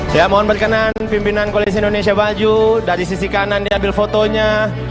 hai saya mohon berkenan pimpinan koalisi indonesia baju dari sisi kanan diambil fotonya